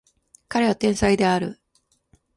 彼は天才である